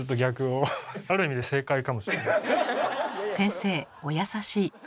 先生お優しい。